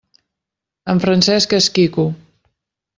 En Francesc és quico.